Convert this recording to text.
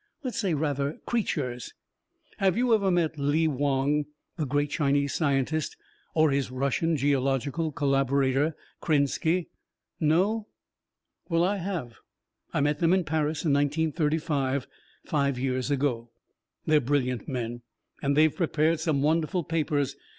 "Let's say, rather, creatures. Have you ever met Lee Wong, the great Chinese scientist, or his Russian geological collaborator, Krenski? No? "Well, I have. I met them in Paris in 1935 five years ago. They're brilliant men, and they've prepared some wonderful papers.